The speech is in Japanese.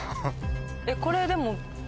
これでも。